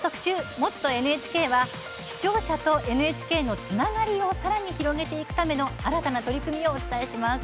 「もっとＮＨＫ」は視聴者とＮＨＫのつながりをさらに広げていくための新たな取り組みについてお伝えします。